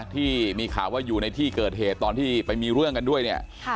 ที่มีข่าวว่าอยู่ในที่เกิดเหตุตอนที่ไปมีเรื่องกันด้วยเนี่ย